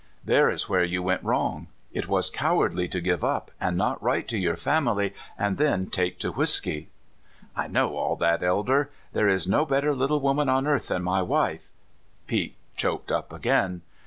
There is where you went wrong. It was cowardly to give up and not write to your family, and then take to whisk}^" "I know all that, Elder. There is no better little woman on earth than my wife "— Pete choked up again.